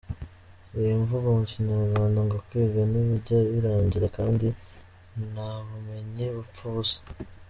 Hari imvugo mu Kinyarwanda ngo kwiga ntibijya birangira, kandi ntabumenyi bupfa ubusa.